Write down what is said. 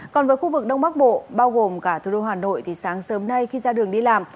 còn với khu vực đông bắc bộ bao gồm cả thủ đô hà nội thì sáng sớm nay khi ra đường đi làm